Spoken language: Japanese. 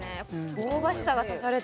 香ばしさが足されて。